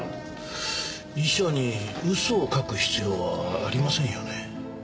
遺書に嘘を書く必要はありませんよね。